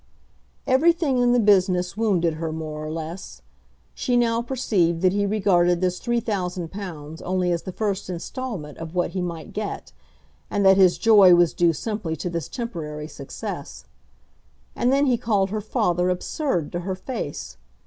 Everything in the business wounded her more or less. She now perceived that he regarded this £3000 only as the first instalment of what he might get, and that his joy was due simply to this temporary success. And then he called her father absurd to her face.